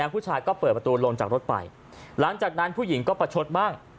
ผู้ชายก็เปิดประตูลงจากรถไปหลังจากนั้นผู้หญิงก็ประชดบ้าง